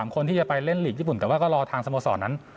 คนที่จะไปเล่นหลีกญี่ปุ่นแต่ว่าก็รอทางสโมสรนั้น